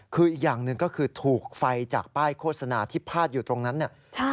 คืออีกอย่างหนึ่งก็คือถูกไฟจากป้ายโฆษณาที่พาดอยู่ตรงนั้นเนี่ย